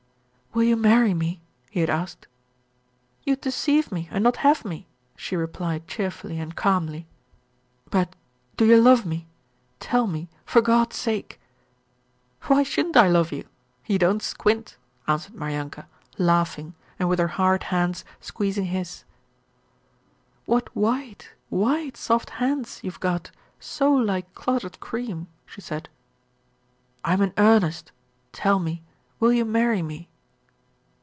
'Will you marry me?' he had asked. 'You'd deceive me and not have me,' she replied cheerfully and calmly. 'But do you love me? Tell me for God's sake!' 'Why shouldn't I love you? You don't squint,' answered Maryanka, laughing and with her hard hands squeezing his.... 'What whi ite, whi i ite, soft hands you've got so like clotted cream,' she said. 'I am in earnest. Tell me, will you marry me?'